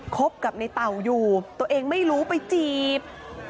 คบกับในเต่าอยู่ตัวเองไม่รู้ไปจีบ